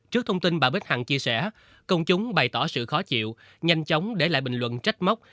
trước thông tin bà bích hằng chia sẻ công chúng bày tỏ sự khó chịu nhanh chóng để lại bình luận trách mốc